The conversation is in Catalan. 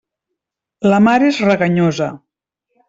La mar és reganyosa.